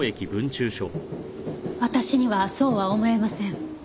私にはそうは思えません。